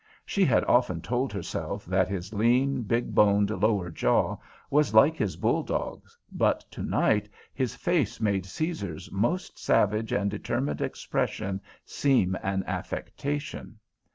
She had often told herself that his lean, big boned lower jaw was like his bull dog's, but tonight his face made Caesar's most savage and determined expression seem an affectation.